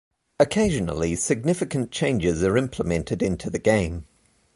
Occasionally, significant changes are implemented into the game.